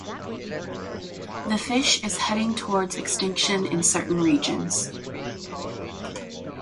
The fish is heading towards extinction in certain regions.